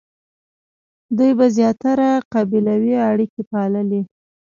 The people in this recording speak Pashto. دوی به زیاتره قبیلوي اړیکې پاللې.